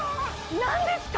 何ですか？